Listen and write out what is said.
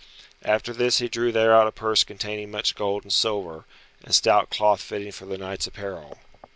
After this he drew thereout a purse containing much gold and silver, and stout cloth fitting for the knight's apparel.